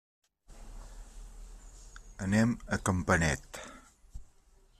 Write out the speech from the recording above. Anem a Campanet.